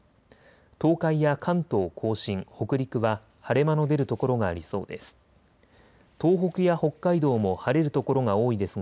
東海や関東甲信、北陸は晴れ間の出る所がありそうです。